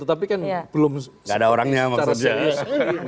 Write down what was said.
tapi kan belum secara serius